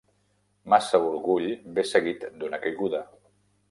Massa orgull ve seguit d'una caiguda.